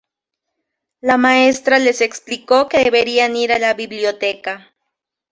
La maestra les explicó que deberían ir a la biblioteca.